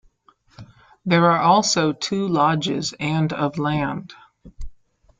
There are also two lodges, and of land.